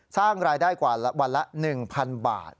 สร้างรายได้กว่าวันละ๑๐๐๐บาท